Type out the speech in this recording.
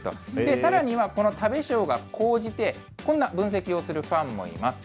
さらにはこの食べ将が高じて、こんな分析をするファンもいます。